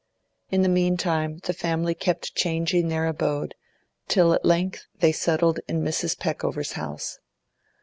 In the meantime the family kept changing their abode, till at length they settled in Mrs. Peckover's house.